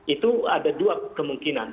itu ada dua kemungkinan